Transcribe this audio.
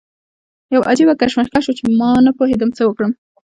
یو عجیبه کشمکش و چې ما نه پوهېدم څه وکړم.